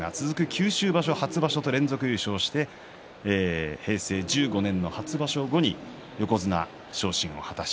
九州場所、初場所と連続優勝して平成１５年初場所後に横綱昇進を果たし